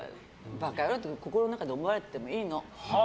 バカ野郎って心の中で思われててもいいの。